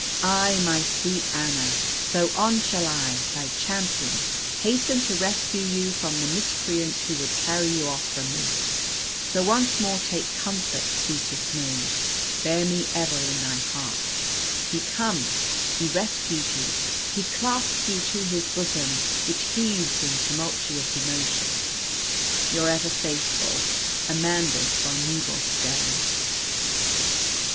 "Ay, my sweet Anna, soon shall I, thy champion, hasten to rescue you from the miscreant who would carry you off from me. So, once more take comfort, sweetest maid. Bear me ever in thy heart. He comes; he rescues you; he clasps you to his bosom, which heaves in tumultuous emotion. "Your ever faithful "AMANDUS VON NEBELSTERN.